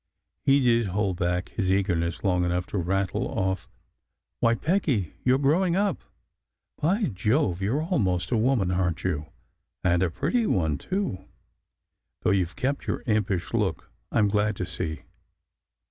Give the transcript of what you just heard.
He did hold back his eagerness long enough to rattle off, "Why, Peggy, you re growing up! By Jove, you re al most a woman, aren t you? and a pretty one, too though you ve kept your impish look, I m glad to see!"